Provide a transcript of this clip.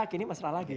kini mesra lagi